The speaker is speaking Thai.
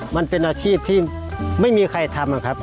มันเป็นอาชีพที่ไม่มีใครทำอะครับ